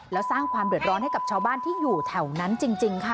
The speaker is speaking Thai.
แล้วสร้างความเดือดร้อนให้กับชาวบ้านที่อยู่แถวนั้นจริงค่ะ